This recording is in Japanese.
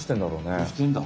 どうしてんだ？